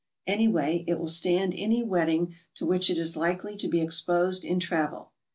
Anywajq it will stand any wetting to which it is likely to be exposed in travel.